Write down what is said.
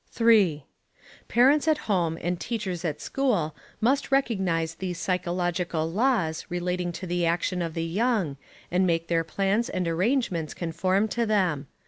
3. Parents at home and teachers at school must recognize these physiological laws, relating to the action of the young, and make their plans and arrangements conform to them.